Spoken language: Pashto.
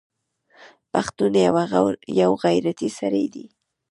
پښتون یوغیرتي سړی دی